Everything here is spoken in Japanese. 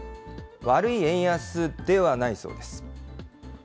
悪い円安ではないそうです。